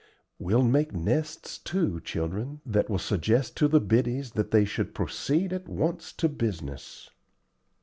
We'll make nests, too, children, that will suggest to the biddies that they should proceed at once to business."